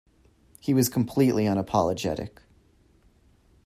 He was completely unapologetic.